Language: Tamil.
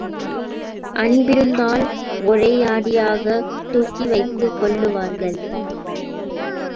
அன்பிருந்தால் ஒரேயடியாகத் தூக்கி வைத்துக் கொள்ளுவார்கள்.